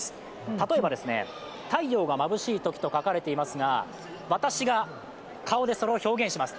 例えば、太陽がまぶしいときと書かれていますが、私が顔でそれを表現します。